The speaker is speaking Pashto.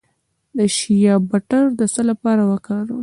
د شیا بټر د څه لپاره وکاروم؟